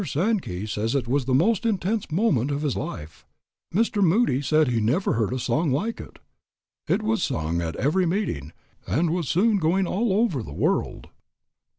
Mr. Sankey says it was the most intense moment of his life. Mr. Moody said he never heard a song like it. It was sung at every meeting, and was soon going over the world."